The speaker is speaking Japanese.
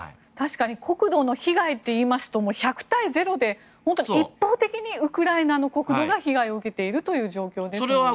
確かに国土の被害で言いますと１００対０で本当に一方的にウクライナの国土が被害を受けているという状況ですもんね。